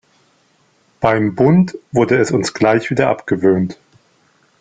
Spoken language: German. Beim Bund wurde es uns gleich wieder abgewöhnt.